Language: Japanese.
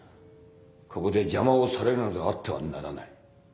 ここで邪魔をされるなどあってはならない。